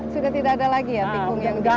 sudah tidak ada lagi ya tikung yang diambil